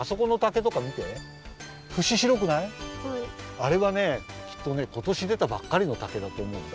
あれはねきっとねことしでたばっかりの竹だとおもうんだ。